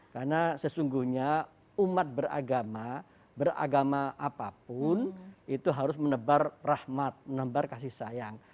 karena sesungguhnya umat beragama beragama apapun itu harus menebar rahmat menebar kasih sayang